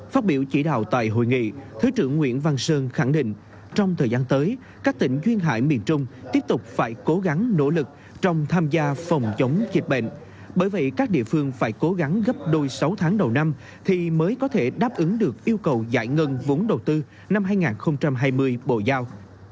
phát biểu chỉ đạo tại hội nghị thứ trưởng nguyễn văn sơn khẳng định trong thời gian tới các tỉnh duyên hải miền trung tiếp tục phải cố gắng nỗ lực trong tham gia phòng chống dịch bệnh bởi vậy các địa phương phải cố gắng gấp đôi sáu tháng đầu năm thì mới có thể đáp ứng được yêu cầu giải ngân vốn đầu tư năm hai nghìn hai mươi bộ giao